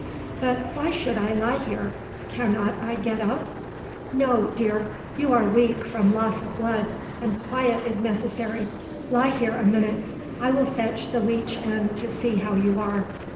"But why should I lie here? Cannot I get up?" "No, dear. You are weak from loss of blood, and quiet is necessary. Lie here a minute. I will fetch the leech in, to see how you are."